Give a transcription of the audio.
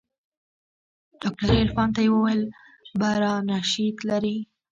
ډاکتر عرفان ته يې وويل برانشيت لري.